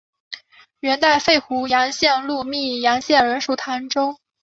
元代废湖阳县入泌阳县仍属唐州。